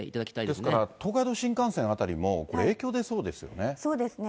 ですから東海道新幹線あたりも、これ、そうですね。